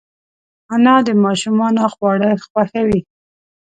انا د ماشومانو خواړه خوښوي